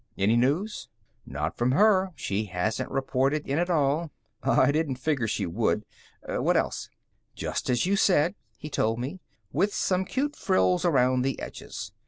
"Any news?" "Not from her; she hasn't reported in at all." "I didn't figure she would. What else?" "Just as you said," he told me. "With some cute frills around the edges.